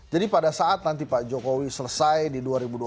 jadi pada saat nanti pak jokowi selesai di dua ribu dua puluh empat